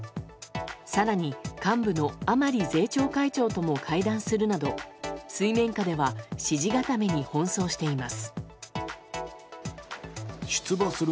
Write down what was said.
更に、幹部の甘利税調会長とも会談するなど水面下では支持固めに奔走しています。